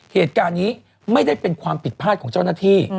เหตุการณ์นี้ไม่ได้เป็นความผิดพลาดของเจ้าหน้าที่